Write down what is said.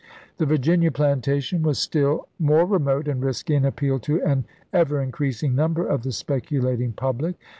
The Virginia 'Plantation* was still more remote and risky and appealed to an ever increasing number of the speculating public.